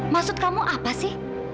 maksud kamu apa sih